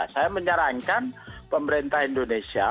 saya menyarankan pemerintah indonesia